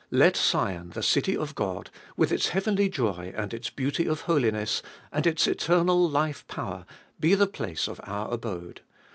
Let Sion, the city of God, with its heavenly joy, and its beauty of holiness, and its eternal life power, be the place of our abode.